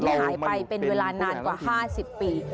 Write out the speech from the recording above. หายไปเป็นเวลานานกว่า๕๐ปี